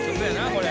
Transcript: これ。